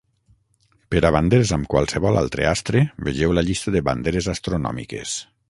Per a banderes amb qualsevol altre astre, vegeu la llista de banderes astronòmiques.